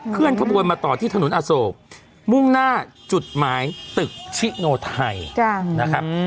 เคลื่อนขบวนมาต่อที่ถนนอโศกมุ่งหน้าจุดหมายตึกชิโนไทยนะครับ